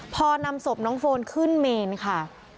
พอนำศพน้องโฟนขึ้นเมนค่ะ